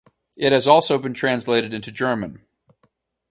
It has also been translated into German.